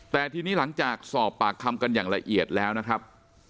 แต่ทีนี้หลังจากสอบปากคำกันอย่างละเอียดแล้วนะครับ